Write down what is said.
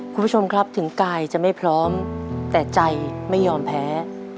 คุณผู้ชมครับถึงกายจะไม่พร้อมแต่ใจไม่ยอมแพ้